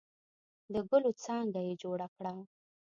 د ګلو څانګه یې جوړه کړه.